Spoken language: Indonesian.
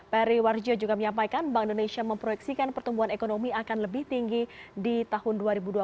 peri warjo juga menyampaikan bank indonesia memproyeksikan pertumbuhan ekonomi akan lebih tinggi di tahun dua ribu dua puluh satu